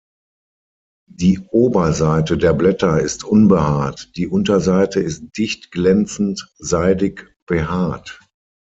Die Oberseite der Blätter ist unbehaart, die Unterseite ist dicht glänzend-seidig behaart.